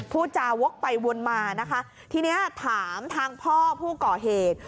พูดจาวกไปวนมานะคะทีนี้ถามทางพ่อผู้ก่อเหตุ